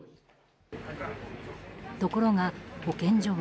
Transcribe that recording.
ところが、保健所は。